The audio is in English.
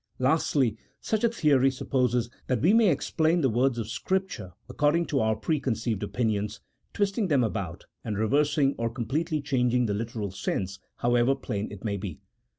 Lastly, such a theory supposes that we may explain the words of Scripture according to our preconceived opinions, twisting them about, and reversing or completely changing the literal sense, however plain it may be.